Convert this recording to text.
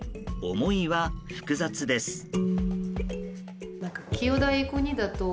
思いは複雑です。